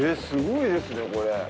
すごいですねこれ。